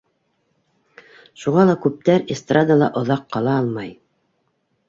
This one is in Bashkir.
Шуға ла күптәр эстрадала оҙаҡ ҡала алмай.